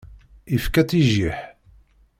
Ifka-tt i jjiḥ.